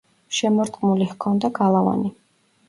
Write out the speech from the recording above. შემორტყმული ჰქონდა გალავანი.